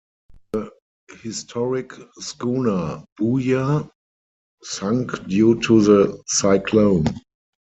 The historic schooner Booya sunk due to the cyclone.